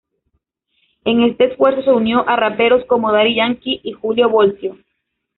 En este esfuerzo se unió a raperos como Daddy Yankee y Julio Voltio.